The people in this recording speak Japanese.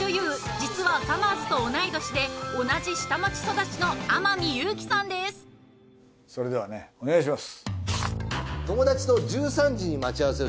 実はさまぁずと同い年で同じ下町育ちの天海祐希さんですそれではねお願いします。